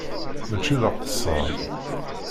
Mačči d aqeṣṣeṛ.